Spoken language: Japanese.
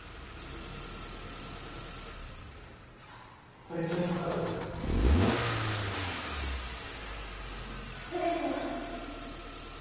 これ小児科からです失礼します